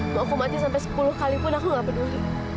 mau aku mati sampai sepuluh kali pun aku nggak peduli